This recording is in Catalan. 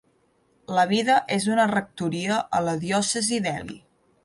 La vida és una rectoria a la diòcesi d'Ely.